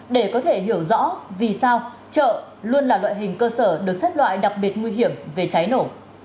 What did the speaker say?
để có thể hiểu rõ vì sao chợ luôn là loại hình cơ sở được xếp loại đặc biệt nguy hiểm về cháy nổ